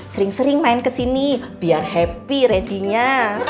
sering sering main kesini biar happy ready nya